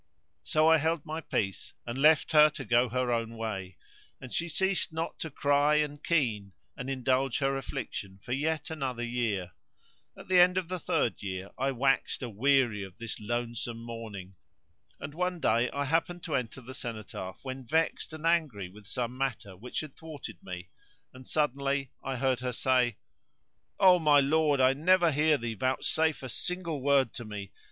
So I held my peace and left her to go her own way; and she ceased not to cry and keen and indulge her affliction for yet another year. At the end of the third year I waxed aweary of this longsome mourning, and one day I happened to enter the cenotaph when vexed and angry with some matter which had thwarted me, and suddenly I heard her say:—O my lord, I never hear thee vouch safe a single word to me!